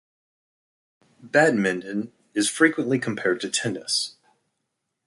Badminton is frequently compared to tennis.